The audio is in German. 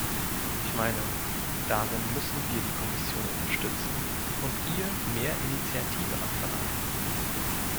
Ich meine, darin müssen wir die Kommission unterstützen und ihr mehr Initiative abverlangen.